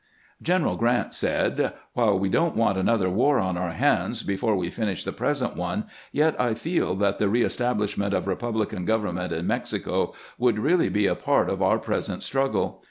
General Grant said: "While we don't want another war on onr hands before we finish the present one, yet I feel that the reestablishment of republican government in Mexico would reaUy be a part of our present struggle.